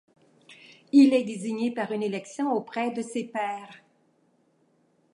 Il est désigné par une élection auprès de ses pairs.